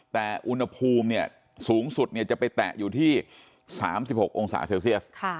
แต่อุณหภูมิสูงสุดจะไปแตะอยู่ที่๓๖องศาเซลเซียส